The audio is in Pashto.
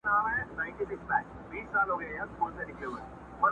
نه دعا یې له عذابه سي ژغورلای!